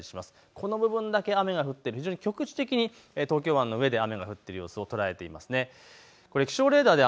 この部分だけ雨が降って非常に局地的に東京湾の上で雨が降っている様子を捉えています。